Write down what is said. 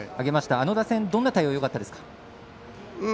あの打線、どういう対応がよかったですか？